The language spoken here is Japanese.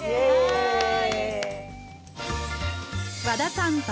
和田さん